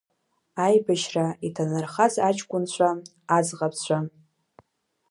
Аибашьра иҭанархаз аҷкәынцәа, аӡӷабцәа…